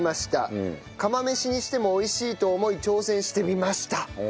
釜飯にしても美味しいと思い挑戦してみました。